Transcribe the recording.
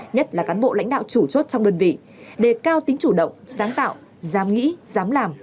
nhất là cán bộ lãnh đạo chủ chốt trong đơn vị để cao tính chủ động sáng tạo giám nghĩ giám làm